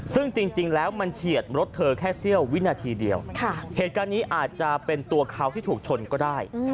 ซึ่งจริงแล้วมันเฉียดรถเธอแค่เสี้ยววินาทีเดียวเหตุการณ์นี้อาจจะเป็นตัวเขาที่ถูกชนก็ได้